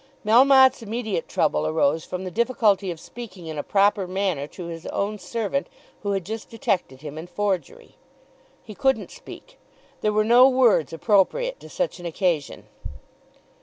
Melmotte's immediate trouble arose from the difficulty of speaking in a proper manner to his own servant who had just detected him in forgery. He couldn't speak. There were no words appropriate to such an occasion.